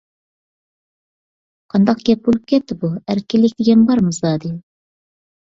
قانداق گەپ بولۇپ كەتتى بۇ؟ ئەركىنلىك دېگەن بارمۇ زادى؟